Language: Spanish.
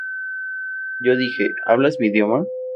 Yo dije: ¿Hablas mi idioma?